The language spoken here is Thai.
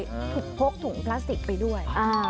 ถูกพกถุงพลาสติกไปด้วย